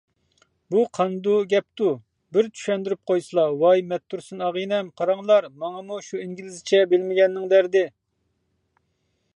بۇ قاندۇ گەپتۇ، بىر چۈشەندۈرۈپ قويسىلا؟ -ۋاي مەتتۇرسۇن ئاغىنەم، قاراڭلار، ماڭىمۇ شۇ ئىنگلىزچە بىلمىگەننىڭ دەردى.